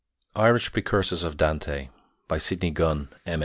IRISH PRECURSORS OF DANTE By SIDNEY GUNN, M.